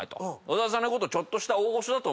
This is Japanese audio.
小沢さんのことちょっとした。